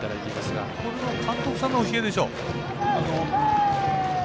これは監督さんの教えでしょう。